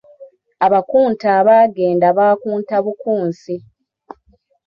Abakunta abaagenda bakunta obukunsi.